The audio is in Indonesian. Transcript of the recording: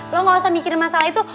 lu gak usah mikirin masalah itu